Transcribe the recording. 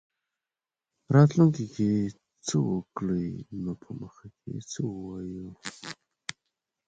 راتلونکې کې څه وکړي نو په مخ کې څه ووایو.